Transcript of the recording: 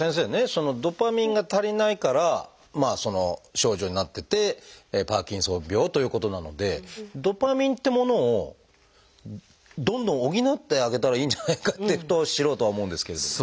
そのドパミンが足りないからその症状になっててパーキンソン病ということなのでドパミンってものをどんどん補ってあげたらいいんじゃないかってふと素人は思うんですけれども。